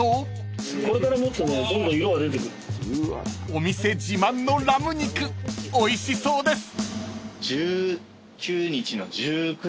［お店自慢のラム肉おいしそうです］